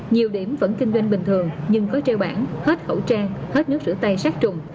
nhiều điểm vẫn kinh doanh bình thường nhưng có treo bản hết khẩu trang hết nước rửa tay sát trùng